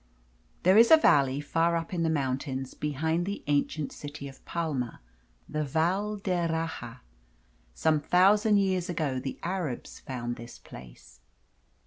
There is a valley far up in the mountains behind the ancient city of Palma the Val d'Erraha. Some thousand years ago the Arabs found this place.